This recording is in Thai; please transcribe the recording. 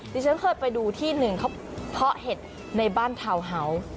ที่ฉันเคยไปดูที่หนึ่งเขาเพาะเห็ดในบ้านทาวน์เฮาส์